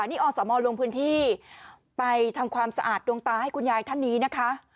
นี่อสมลงพื้นที่ไปทำความสะอาดดวงตาให้คุณยายท่านนี้นะคะ